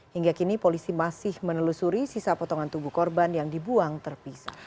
hingga kini polisi masih menelusuri sisa potongan tubuh korban yang dibuang terpisah